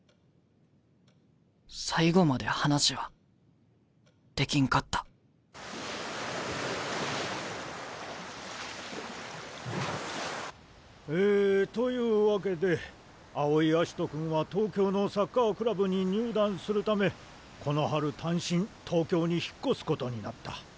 最後まで話はできんかったえというわけで青井葦人君は東京のサッカークラブに入団するためこの春単身東京に引っ越すことになった。